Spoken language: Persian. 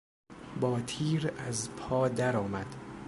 با تیر از پا در آمد.